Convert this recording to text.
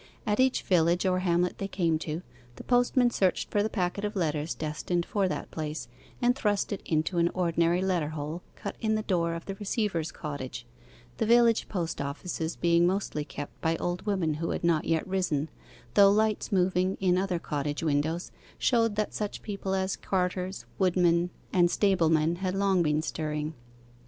At each village or hamlet they came to, the postman searched for the packet of letters destined for that place, and thrust it into an ordinary letter hole cut in the door of the receiver's cottage the village post offices being mostly kept by old women who had not yet risen, though lights moving in other cottage windows showed that such people as carters, woodmen, and stablemen had long been stirring.